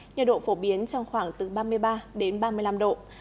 nhiệt độ phổ biến trong khoảng từ ba mươi ba đến ba mươi năm độ